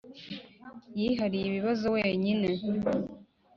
yihariye ikibazo wenyine